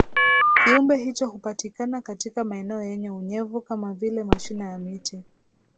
Kiumbe hicho hupatikana katika maeneo yenye unyevu kama vile mashina ya miti